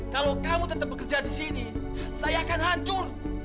kalau kamu tetap bekerja di sini saya akan hancur